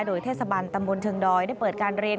โดยเทศบันตำบลเชิงดอยได้เปิดการเรียน